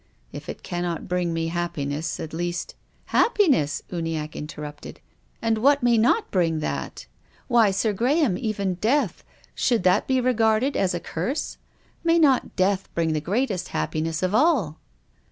If it cannot bring me happiness, at least —"" Happiness !" Uniacke interrupted. " And what may not bring that ! Why, Sir Graham, even death — should that be regarded as a curse ? May not death bring the greatest happiness of all